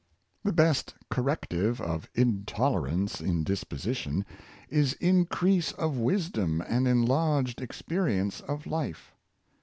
The best corrective of intolerance in disposition, is increase of wisdom and enlarged experience of life.